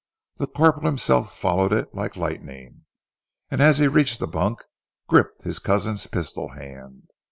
The corporal himself followed it like lightening, and, as he reached the bunk, gripped his cousin's pistol hand.